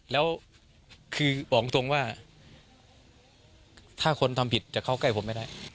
แล้วคือบอกตรงว่าถ้าคนทำผิดจะเข้าใกล้ผมไม่ได้